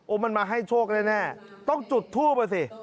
มันมาให้โชคแน่ต้องจุดทูปอ่ะสิ